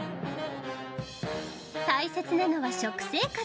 大切なのは食生活。